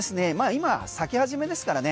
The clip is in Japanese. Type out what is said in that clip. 今、咲き始めですからね。